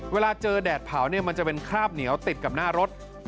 เวลาเจอแดดเผามันจะคลาบเหนียวติดกับหน้ารถ